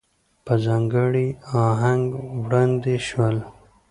په ځانګړي آهنګ وړاندې شول.